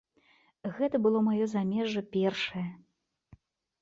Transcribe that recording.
Гэта было маё замежжа першае.